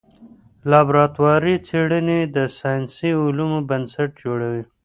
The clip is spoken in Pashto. لابراتواري څېړني د ساینسي علومو بنسټ جوړوي.